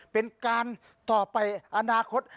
เป็นการต่อไปอนาคต